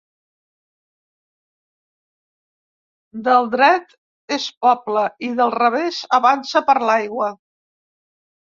Del dret és poble i del revés avança per l'aigua.